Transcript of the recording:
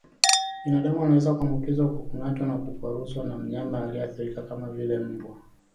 Binadamu anaweza kuambukizwa kwa kung'atwa au kukwaruzwa na mnyama aliyeathirika kama vile mbwa